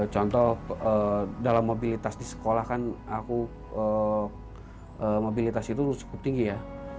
contoh dalam mobilitas di sekolah kan aku mobilitas itu cukup tinggi ya